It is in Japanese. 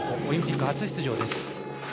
オリンピック初出場です。